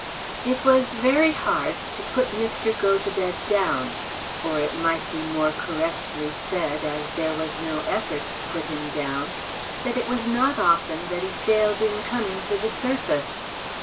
It was very hard to put Mr. Gotobed down; or it might be more correctly said, as there was no effort to put him down, that it was not often that he failed in coming to the surface.